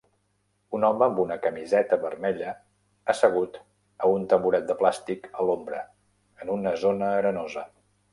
Un home amb una camiseta vermella assegut a un tamboret de plàstic a l'ombra en una zona arenosa.